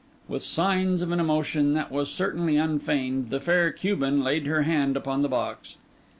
With signs of an emotion that was certainly unfeigned, the fair Cuban laid her hand upon the box.